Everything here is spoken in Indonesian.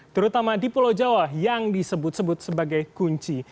terutama di pulau jawa yang disebut sebut sebagai kunci